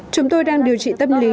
chúng tôi đang điều trị tâm lý